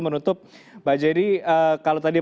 menutup mbak jenny kalau tadi